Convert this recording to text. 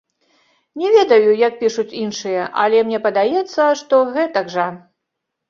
Не ведаю, як пішуць іншыя, але мне падаецца, што гэтак жа.